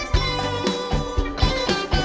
kamu juga sama